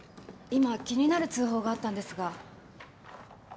今気になる通報があったんですが。